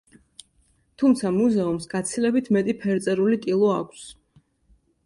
თუმცა მუზეუმს გაცილებით მეტი ფერწერული ტილო აქვს.